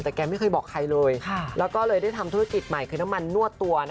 แต่แกไม่เคยบอกใครเลยแล้วก็เลยได้ทำธุรกิจใหม่คือน้ำมันนวดตัว